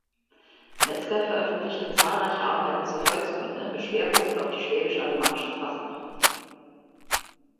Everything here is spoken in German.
Mezger veröffentlichte zahlreiche Arbeiten zur Volkskunde mit Schwerpunkt auf die schwäbisch-alemannische Fastnacht.